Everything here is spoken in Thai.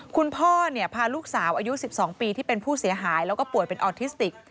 คุณพ่อพาลูกสาวอายุ๑๒ปีที่เป็นผู้เสียหายแล้วก็ป่วยเป็นออทิสติก